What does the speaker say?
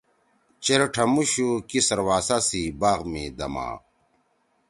چیر ٹھمُو شُو کی سرواسہ سی باغ می دما